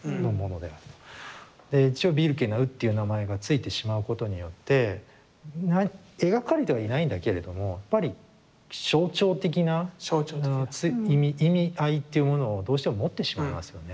で一応「ビルケナウ」っていう名前が付いてしまうことによって描かれてはいないんだけれどもやっぱり象徴的な意味合いっていうものをどうしても持ってしまいますよね。